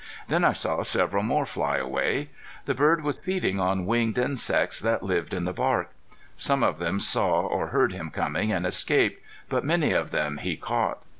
Then I saw several more fly away. The bird was feeding on winged insects that lived in the bark. Some of them saw or heard him coming and escaped, but many of them he caught.